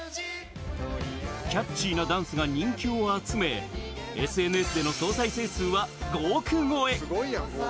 キャッチーなダンスが人気を集めＳＮＳでの総再生数は５億超え。